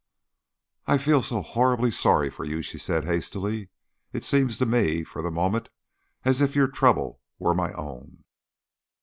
"I feel so horribly sorry for you," she said hastily. "It seemed to me for the moment as if your trouble were my own."